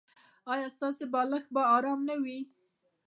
ایا ستاسو بالښت به ارام نه وي؟